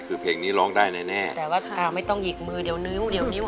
คือเพลงนี้ร้องได้แน่แน่แต่ว่าอ่าไม่ต้องหิกมือเดี๋ยวนิ้วเดี๋ยวนิ้ว